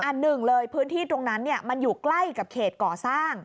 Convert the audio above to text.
หนึ่งเลยพื้นที่ตรงนั้นมันอยู่ใกล้กับเขตก่อสร้าง